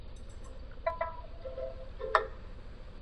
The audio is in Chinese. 菲腊斯娶茱莉。